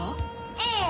ええ。